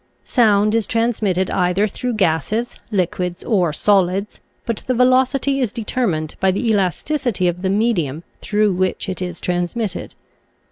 Sound is transmitted either through gases, liquids, or solids, but the velocity is deter mined by the elasticity of the medium through which it is transmitted.